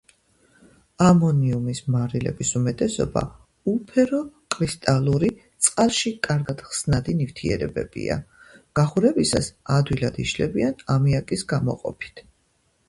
ამონიუმის მარილების უმეტესობა უფერო კრისტალური, წყალში კარგად ხსნადი ნივთიერებებია, გახურებისას ადვილად იშლებიან ამიაკის გამოყოფით.